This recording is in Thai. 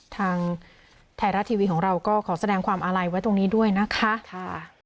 ทางไทยรัฐทีวีของเราก็ขอแสดงความอาลัยไว้ตรงนี้ด้วยนะคะ